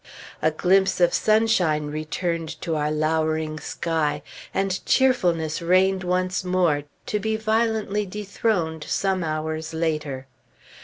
A glimpse of sunshine returned to our lowering sky, and cheerfulness reigned once more, to be violently dethroned some hours later.